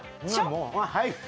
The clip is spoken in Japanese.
はい。